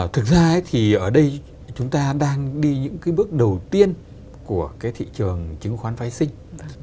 thực ra thì ở đây chúng ta đang đi những cái bước đầu tiên của cái thị trường chứng khoán phái sinh